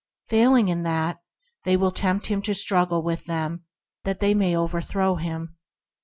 Fail ing in that, they will then tempt him to struggle with them that they may over throw him.